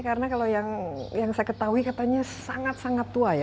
karena kalau yang saya ketahui katanya sangat sangat tua ya